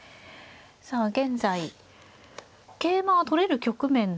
さあ現在桂馬は取れる局面なんですが。